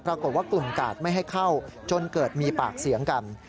ปรากฏว่ากลุ่มกาดไม่ให้เข้าจนเกิดมีปากเสียงกัน